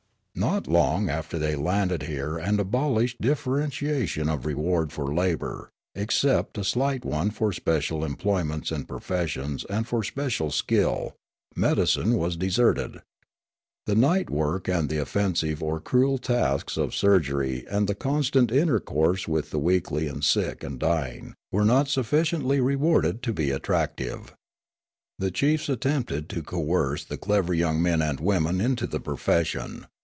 " Not long after they landed here and abolished dif ferentiation of reward for labour, except a slight one for special emplo5anents and professions and for special skill, medicine was deserted. The night work and the offensive or cruel tasks of surgery and the constant in tercourse with the weakly and sick and dying were not sufficiently rewarded to be attractive. The chiefs attempted to coerce the clever 5 oung men and women into the profession.